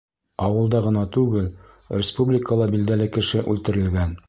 Ауылда ғына түгел, республикала билдәле кеше үлтерелгән.